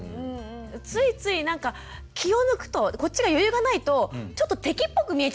ついついなんか気を抜くとこっちが余裕がないとちょっと敵っぽく見えちゃうんですよ